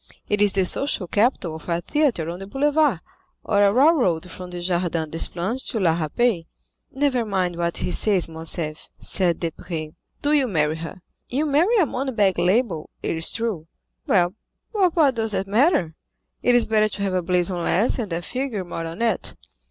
"It is the social capital of a theatre on the boulevard, or a railroad from the Jardin des Plantes to La Râpée." "Never mind what he says, Morcerf," said Debray, "do you marry her. You marry a money bag label, it is true; well, but what does that matter? It is better to have a blazon less and a figure more on it.